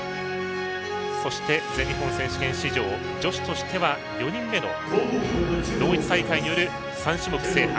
そして、全日本選手権史上女子としては４人目の同一大会による３種目制覇。